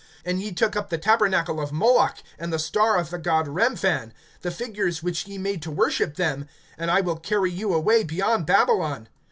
(43)And ye took up the tabernacle of Moloch, And the star of the god Remphan, The figures which ye made to worship them; And I will carry you away beyond Babylon.